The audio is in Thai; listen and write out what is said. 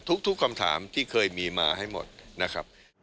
ทุกคำถามที่เคยมีมาให้หมดนะครับ